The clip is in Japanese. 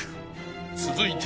［続いて］